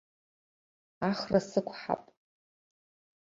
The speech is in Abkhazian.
Ахра сықәҳап.